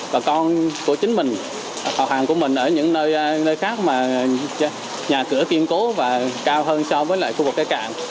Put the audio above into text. bà con của chính mình học hàng của mình ở những nơi khác mà nhà cửa kiên cố và cao hơn so với lại khu vực cây cạn